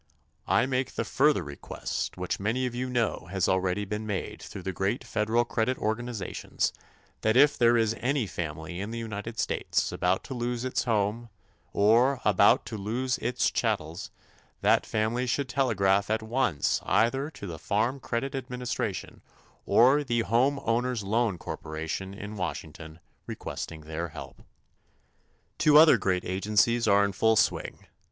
I make the further request which many of you know has already been made through the great federal credit organizations that if there is any family in the United States about to lose its home or about to lose its chattels, that family should telegraph at once either to the Farm Credit Administration or the Home Owners Loan Corporation in Washington requesting their help. Two other great agencies are in full swing.